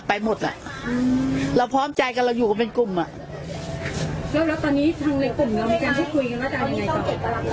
หมดอ่ะอืมเราพร้อมใจกันเราอยู่กันเป็นกลุ่มอ่ะแล้วแล้วตอนนี้ทางในกลุ่มเรามีการพูดคุยกันว่าจะเอายังไงต่อไป